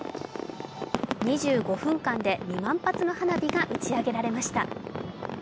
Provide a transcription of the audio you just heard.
２５分間で２万発の花火が打ち上げられました。